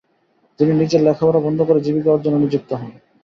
তিনি নিজের লেখাপড়া বন্ধ করে জীবিকা অর্জনে নিযুক্ত হন।